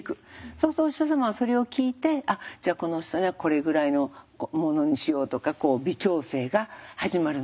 そうするとお医者様はそれを聞いてあっじゃあこの人にはこれぐらいのものにしようとかこう微調整が始まるんだそうです。